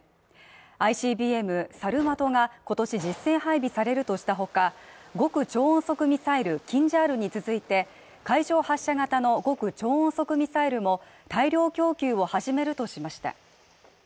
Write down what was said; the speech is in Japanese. ＩＣＢＭサルマトが今年実戦配備されるとした他、極超音速ミサイルキンジャールに続いて海上発射型の極超音速ミサイルも大量供給を始めるとしました。